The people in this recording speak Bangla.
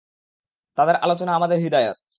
তাঁদের আলোচনা আমাদের হিদায়াত।